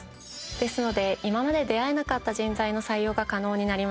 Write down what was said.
ですので今まで出会えなかった人材の採用が可能になります。